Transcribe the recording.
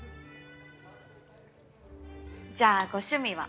じゃあご趣味は？